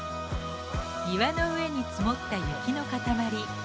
岩の上に積もった雪の塊。